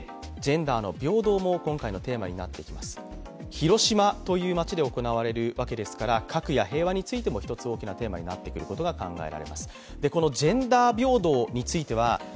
広島という街で行われるわけですから、核や平和についても１つ大きなテーマになってくることが考えられます。